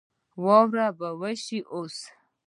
واوره به وشي اوس